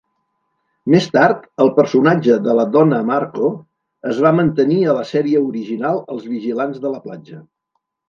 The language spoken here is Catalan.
Més tard, el personatge de la Donna Marco es va mantenir a la sèrie original "Els vigilants de la platja".